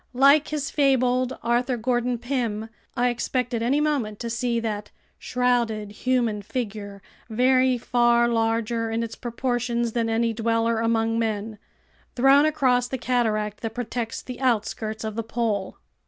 Like his fabled Arthur Gordon Pym, I expected any moment to see that "shrouded human figure, very far larger in its proportions than any dweller among men," thrown across the cataract that protects the outskirts of the pole!